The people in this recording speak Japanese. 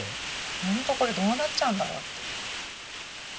ホントこれどうなっちゃうんだろうっていう。